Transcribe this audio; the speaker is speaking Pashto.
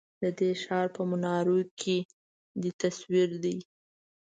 ددې ښار په منارو کی دی تصوير دی